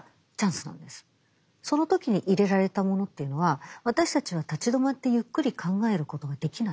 その時に入れられたものというのは私たちは立ち止まってゆっくり考えることができない。